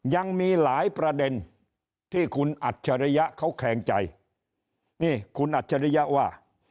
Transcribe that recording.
ยังมีหลายประเด็นที่คุณอัจฉริยะเขาแคลงใจนี่คุณอัจฉริยะว่า